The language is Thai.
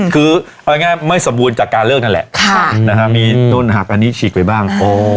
คือเอาง่ายไม่สมบูรณ์จากการเลิกนั่นแหละมีนู่นหักอันนี้ฉีกไปบ้าง